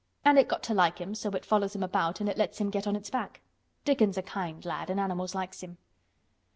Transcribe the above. And it got to like him so it follows him about an' it lets him get on its back. Dickon's a kind lad an' animals likes him."